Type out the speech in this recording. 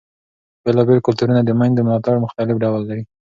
بېلابېل کلتورونه د مېندو ملاتړ مختلف ډول لري.